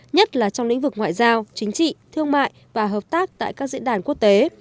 nhất là trong lĩnh vực ngoại giao chính trị thương mại và hợp tác tại các diễn đàn quốc tế